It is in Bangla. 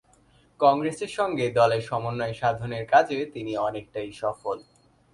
কংগ্রেসের সঙ্গে দলের সমন্বয় সাধনের কাজে তিনি অনেকটাই সফল।